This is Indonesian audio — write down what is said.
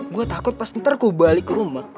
gue takut pas ntar ku balik ke rumah